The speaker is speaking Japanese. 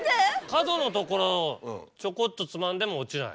角のところをちょこっとつまんでも落ちない？